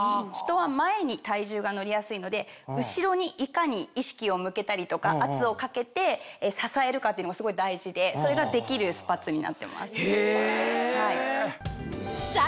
人は前に体重が乗りやすいので後ろにいかに意識を向けたりとか圧をかけて支えるかっていうのがすごい大事でそれができるスパッツになってます。